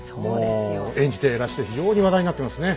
もう演じてらして非常に話題になってますね。